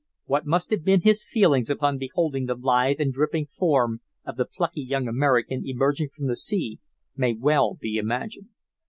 What must have been his feelings upon beholding the lithe and dripping form of the plucky young American emerging from the sea, may well be imagined.